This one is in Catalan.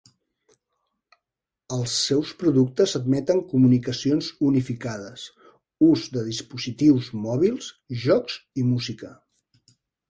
Els seus productes admeten comunicacions unificades, ús de dispositius mòbils, jocs i música.